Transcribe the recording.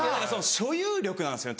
所有力なんですよね